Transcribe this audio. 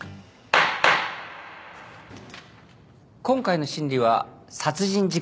今回の審理は殺人事件です。